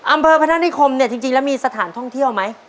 พนักนิคมเนี่ยจริงแล้วมีสถานท่องเที่ยวไหม